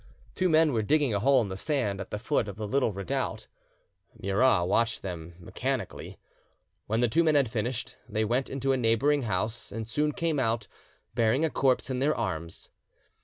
Two men were digging a hole in the sand at the foot of the little redoubt. Murat watched them mechanically. When the two men had finished, they went into a neighbouring house and soon came out, bearing a corpse in their arms.